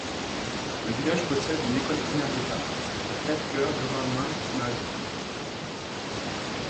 Le village possède une école primaire d'État, la Crève Cœur Government Primary School.